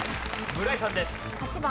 村井さんです。